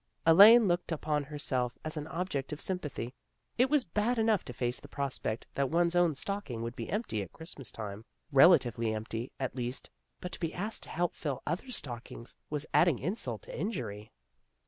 Elaine looked upon herself as an object of sym pathy. It was bad enough to face the prospect that one's own stocking would be empty at Christmas time relatively empty, at least but to be asked to help fill other stockings was adding insult to injury.